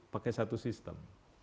pakai satu sistem